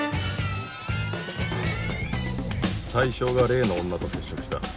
対象が例の女と接触した。